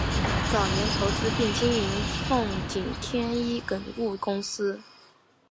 早年投资并经营奉锦天一垦务公司。